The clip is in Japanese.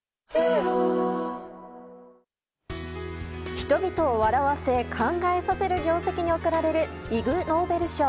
人々を笑わせ考えさせる業績に贈られるイグ・ノーベル賞。